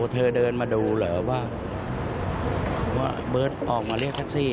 เธอเดินมาดูเหรอว่าเบิร์ตออกมาเรียกแท็กซี่